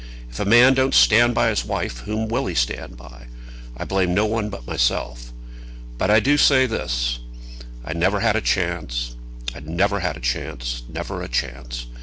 If a man don't stand by his wife, whom will he stand by? I blame no one but myself. But I do say this; I never had a chance; I never had a chance; never had a chance."